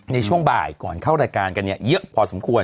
ในช่วงบ่ายก่อนเข้ารายการกันเยอะพอสมควร